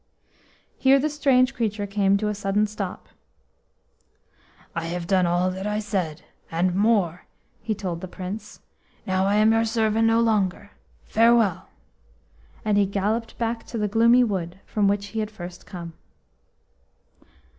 Here the strange creature came to a sudden stop. "I have done all that I said, and more," he told the Prince. "Now I am your servant no longer. Farewell!" And he galloped back to the gloomy wood from which he had first come.